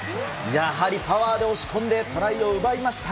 やはりパワーで押し込んでトライを奪いました。